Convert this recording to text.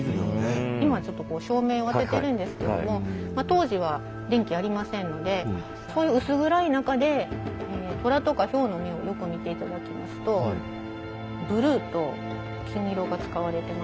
今はちょっとこう照明を当ててるんですけども当時は電気ありませんのでそういう薄暗い中でトラとかヒョウの目をよく見て頂きますとほんとだ。